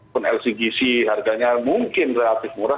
penelisih gisi harganya mungkin relatif murah